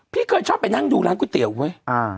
พี่เคยชอบไปนั่งดูร้านก๋วเตี๋เว้ย